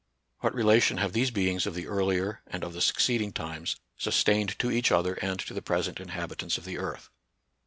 What relation have these beings of the earlier and of the suc ceeding times sustained to each other and to the present inhabitants of the earth